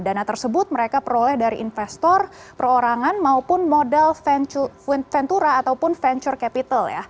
dana tersebut mereka peroleh dari investor perorangan maupun modal ventura ataupun venture capital ya